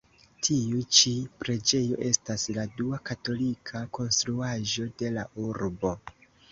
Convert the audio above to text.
Tiu ĉi preĝejo estas la dua katolika konstruaĵo de la urbo.